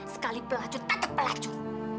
sekali pelacur tetap pelacur